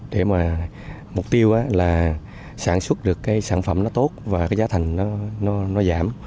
để mà mục tiêu là sản xuất được cái sản phẩm nó tốt và cái giá thành nó giảm